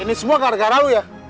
eh ini semua gara gara lo ya